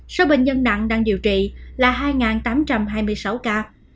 số bệnh nhân nặng đang điều trị là hai tám trăm hai mươi sáu ca